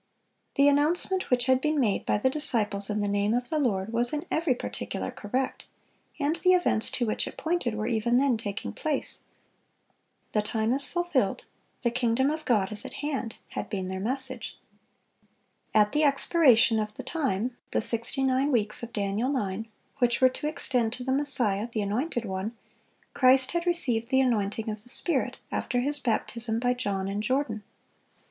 (575) The announcement which had been made by the disciples in the name of the Lord was in every particular correct, and the events to which it pointed were even then taking place. "The time is fulfilled, the kingdom of God is at hand," had been their message. At the expiration of "the time"—the sixty nine weeks of Daniel 9, which were to extend to the Messiah, "the Anointed One"—Christ had received the anointing of the Spirit, after His baptism by John in Jordan.